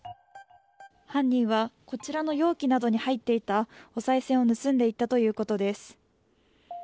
犯人はこちらの容器などに入っていたおさい銭を盗んでいったということです。